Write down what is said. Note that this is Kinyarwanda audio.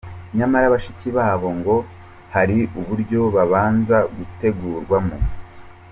Nyamara bashiki babo bo ngo hari uburyo babanza gutegurwamo.